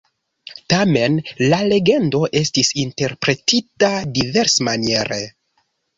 Tamen la legendo estis interpretita diversmaniere.